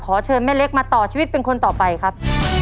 เชิญแม่เล็กมาต่อชีวิตเป็นคนต่อไปครับ